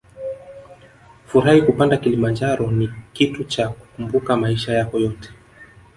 Furahi Kupanda Kilimanjaro ni kitu cha kukumbuka maisha yako yote